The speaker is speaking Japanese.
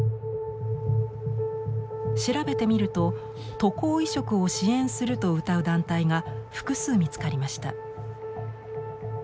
調べてみると渡航移植を支援するとうたう団体が複数見つかりました。